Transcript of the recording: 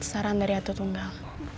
saran dari datu tunggal